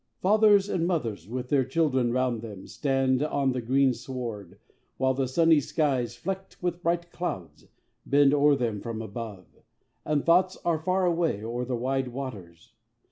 Fathers and mothers, with their children round them, Stand on the green sward, while the sunny skies, Flecked with bright clouds, bend o'er them from above, And thoughts are far away o'er the wide waters.